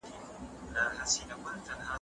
منفي خبرونه د خلکو په اروا باندې بوج راولي.